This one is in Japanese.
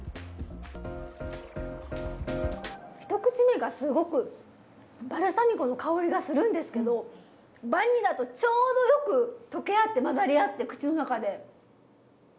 一口目がすごくバルサミコの香りがするんですけどバニラとちょうどよく溶け合って混ざり合って口の中で。